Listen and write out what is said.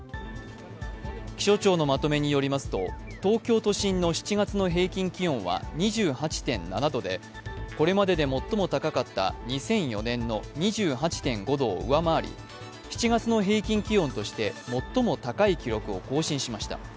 気象庁のまとめによりますと東京都心の７月の平均気温は２８．７度でこれまでで最も高かった２００４年の２８．５度を上回り７月の平均気温として最も高い記録を更新しました。